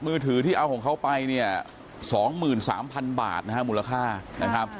มือถือที่เอาของเขาไปเนี่ยสองหมื่นสามพันบาทนะฮะมูลค่านะครับ